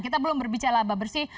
kita belum berbicara laba bersih